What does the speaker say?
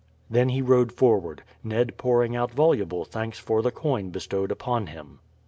Then he rode forward, Ned pouring out voluble thanks for the coin bestowed upon him.